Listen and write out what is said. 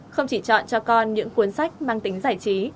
không chỉ chọn cho con những cuốn sách mang tính giải trí